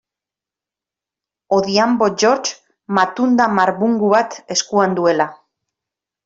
Odhiambo George, matunda marbungu bat eskuan duela.